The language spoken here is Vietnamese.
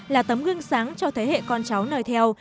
là tấm gương sáng cho thế hệ con cháu nơi theo